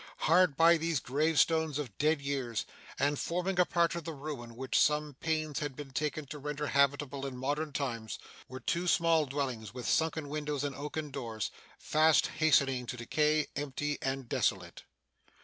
Hard by these gravestones of dead years, and forming a part of the ruin which some pains had been taken to render habitable in modern times, were two small dwellings with sunken windows and oaken doors, fast hastening to decay, empty and desolate.